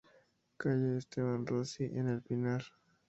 Calle Esteban Rossi, en El Pinar.